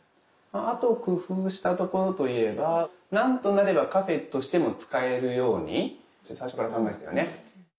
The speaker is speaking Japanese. あと工夫したところといえば何となればカフェとしても使えるように最初から考えてたよね。